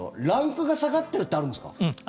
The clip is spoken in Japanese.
ランクが下がってるってあるんですか？